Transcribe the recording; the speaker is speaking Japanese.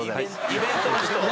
イベントの人。